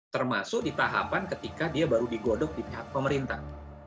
termasuk di tahapan ketika dia baru digodok di pihak pemerintah